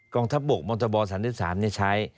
กองทัพบกมตบสรรค์ที่สามเนี่ยใช้